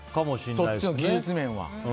そっちの技術面は。